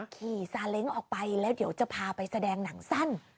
ขี่ซาเล้งออกไปแล้วเดี๋ยวจะพาไปแสดงหนังสั้น